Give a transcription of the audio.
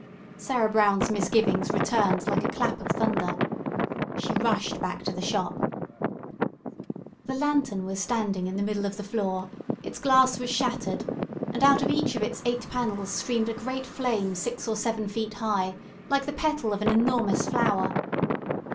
Sarah Brown's misgivings returned like a clap of thunder. She rushed back to the Shop. The lantern was standing in the middle of the floor, its glass was shattered, and out of each of its eight panels streamed a great flame six or seven feet high, like the petal of an enormous flower.